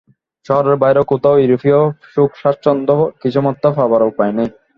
শহরের বাইরে কোথাও ইউরোপীয় সুখ-স্বাচ্ছন্দ্য কিছুমাত্র পাবার উপায় নেই।